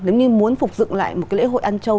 nếu như muốn phục dựng lại một cái lễ hội ăn châu